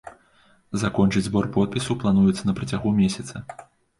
Закончыць збор подпісаў плануецца на працягу месяца.